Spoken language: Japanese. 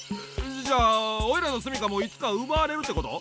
じゃおいらのすみかもいつかうばわれるってこと？